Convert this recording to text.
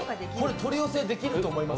取り寄せできると思います。